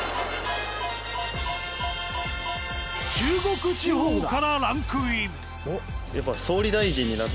中国地方からランクイン。